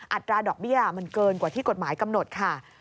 อัตราดอกเบี้ยมันเกินกว่าที่กฎหมายกำหนดค่ะ